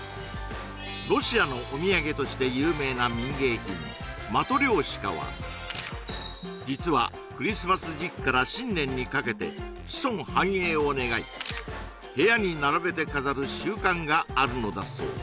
ロシアのお土産として有名な民芸品マトリョーシカは実はクリスマス時期から新年にかけて子孫繁栄を願い部屋に並べて飾る習慣があるのだそう